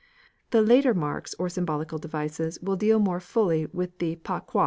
The later marks or symbolical devices will deal more fully with the Pa kwa.